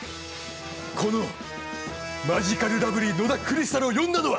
このマヂカルラブリー野田クリスタルを呼んだのは。